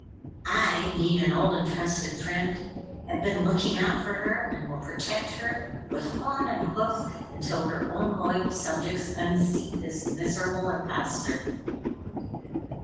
I, being an old and trusted friend, have been looking out for her and will protect her with horn and hoof until her own loyal subjects unseat this miserable imposter!"